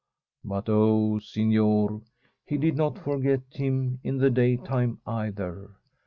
But oh, sig^or! he did not forget him in the daytime either.